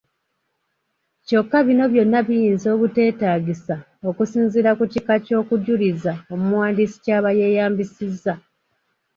Kyokka bino byonna biyinza obuteetaagisa okusinziira ku kika ky’okujuliza omuwandiisi ky'aba yeeyambisizza.